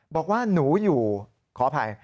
บอกว่าหนูอยู่ขออภัย